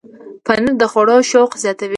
پنېر د خوړو شوق زیاتوي.